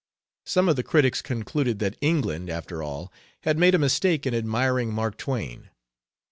Some of the critics concluded that England, after all, had made a mistake in admiring Mark Twain.